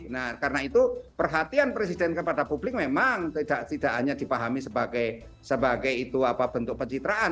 nah karena itu perhatian presiden kepada publik memang tidak hanya dipahami sebagai bentuk pencitraan